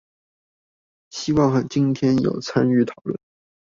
希望今天有參與討論